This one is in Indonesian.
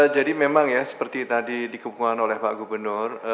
jadi memang ya seperti tadi dikepungan oleh pak gubernur